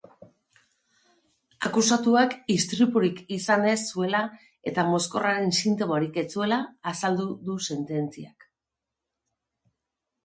Akusatuak istripurik izan ez zuela eta mozkorraren sintomarik ez zuela azaldu du sententziak.